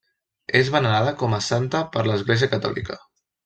És venerada com a santa per l'Església Catòlica.